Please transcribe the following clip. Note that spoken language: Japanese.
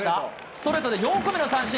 ストレートで４個目の三振。